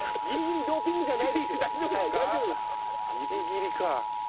ギリギリか。